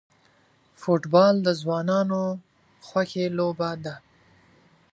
فوټبال د ځوانانو خوښی لوبه ده.